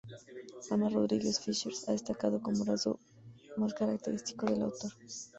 Ana Rodríguez Fischer ha destacado como rasgo más característico del autor